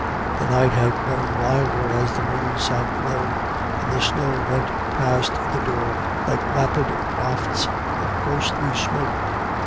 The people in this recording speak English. The night had grown wilder as the moon sank low, and the snow went past the door like rapid wafts of ghostly smoke.